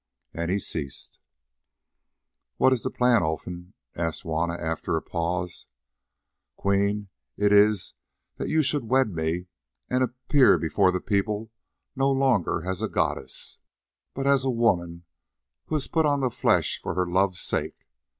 And he ceased. "What is this plan, Olfan?" asked Juanna, after a pause. "Queen, it is that you should wed me, and appear before the people no longer as a goddess, but as a woman who has put on the flesh for her love's sake.